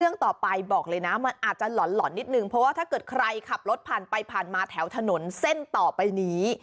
เรื่องต่อไปบอกเลยนะมันอาจจะหล่อนนิดนึงเพราะว่าถ้าเกิดใครขับรถผ่านไปผ่านมาแถวถนนเส้นต่อไปนี้